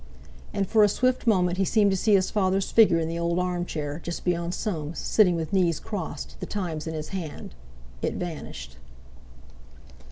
And for a swift moment he seemed to see his father's figure in the old armchair, just beyond Soames, sitting with knees crossed, The Times in his hand. It vanished.